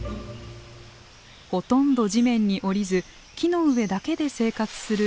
ほとんど地面に下りず木の上だけで生活するムリキ。